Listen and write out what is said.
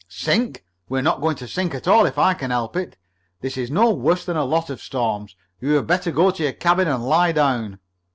"Sink? We're not going to sink at all if I can help it! This is no worse than lots of storms. You had better go to your cabin and lie down."